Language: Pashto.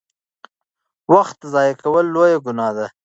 وخت ضایع کول لویه ګناه ده.